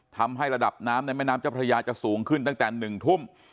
ทำให้ระดับน้ำในแม่น้ำเจ้าพระยาจะสูงขึ้นตั้งแต่๑ทุ่ม